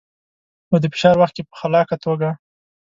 او د فشار وخت کې په خلاقه توګه.